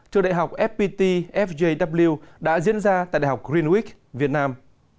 cho đại học fpt fjw đã diễn ra tại đại học greenwich việt nam